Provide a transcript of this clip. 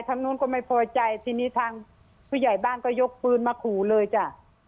ทางนู้นก็ไม่พอใจทีนี้ทางผู้ใหญ่บ้านก็ยกปืนมาขู่เลยจ้ะ